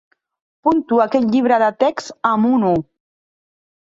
Puntuo aquest llibre de text amb un u.